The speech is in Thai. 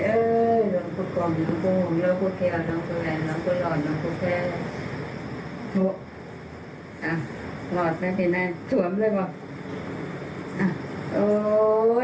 โรงคุณกรมโรงคุณห่วงโรงคุณเขียวโรงคุณแหวน